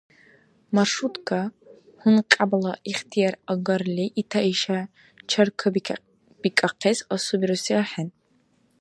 Маршрутка, гьункьябала ихтияр агарли, ита-иша чаркабикӀахъес асубируси ахӀен.